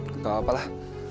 gak apa apa lah